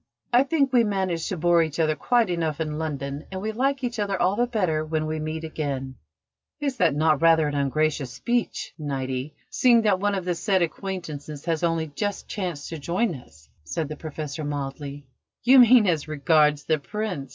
"I think we manage to bore each other quite enough in London, and we like each other all the better when we meet again." "Is not that rather an ungracious speech, Niti, seeing that one of the said acquaintances has only just chanced to join us?" said the Professor mildly. "You mean as regards the Prince?"